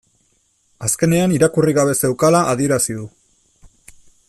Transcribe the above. Azkenean irakurri gabe zeukala adierazi du